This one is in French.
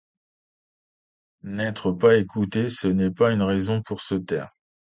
N’être pas écouté, ce n’est pas une raison pour se taire.